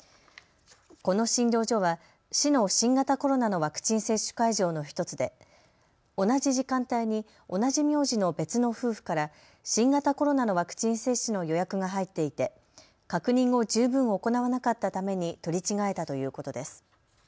この診療所は市の新型コロナのワクチン接種会場の１つで同じ時間帯に同じ名字の別の夫婦から新型コロナのワクチン接種の予約が入っていて確認を十分行わなかったために取り違えたということです。